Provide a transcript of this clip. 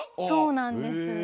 そうなんです。